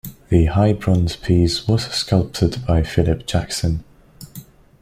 The high bronze piece was sculpted by Philip Jackson.